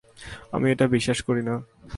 আমি এটা বিশ্বাস করি না।